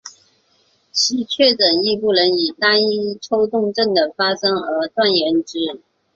其确诊亦不能以单一抽动症状的发生而断言之。